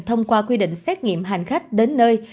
thông qua quy định xét nghiệm hành khách đến nơi